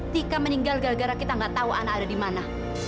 tika meninggal gara gara kita nggak tahu anak ada di mana